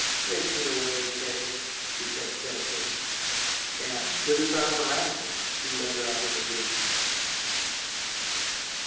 "Take me away, K.," she said pitifully. And, with his arm around her, he led her out of the room.